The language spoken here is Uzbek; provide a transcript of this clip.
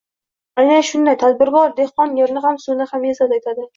Aynan shunday — tadbirkor dehqon yerni ham, suvni ham e’zoz etadi.